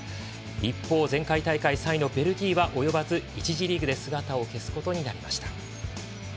一方、前回大会３位のベルギーは及ばず１次リーグで姿を消すことになりました。